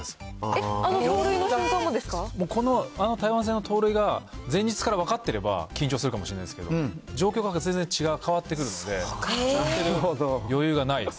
えっ、この、あの台湾戦の盗塁が前日から分かってれば緊張するかもしれないですけど、状況が全然違う、変わってくるので、余裕がないです。